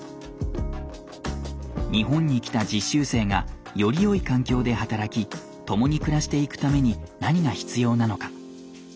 日本に来た実習生がよりよい環境で働き共に暮らしていくために何が必要なのか。